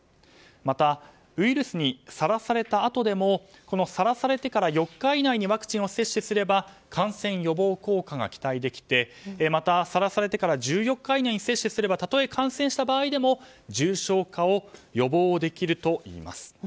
またウイルスにさらされたあとでもさらされてから４日以内にワクチンを接種すれば感染予防効果が期待できてまた、さらされてから１４日以内に接種すればたとえ感染した場合でも重症化を予防できるといいます。